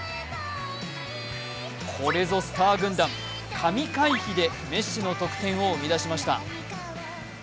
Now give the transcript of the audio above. これぞスター軍団神回避でメッシの得点を生み出しました。